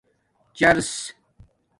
چٰرس